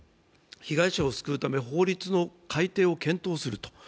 被害者を救うため法律の改定を検討すると。